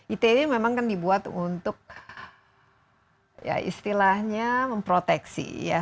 ite ini memang kan dibuat untuk ya istilahnya memproteksi ya